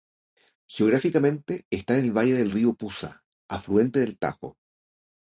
Geográficamente está en el valle del río Pusa, afluente del Tajo.